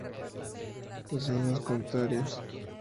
Las hojas contrarias.